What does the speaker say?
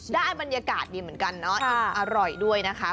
ได้บรรยากาศดีเหมือนกันเนาะอิ่มอร่อยด้วยนะคะ